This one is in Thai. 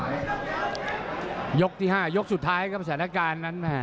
ยกที่๕ยกสุดท้ายครับสถานการณ์นั้น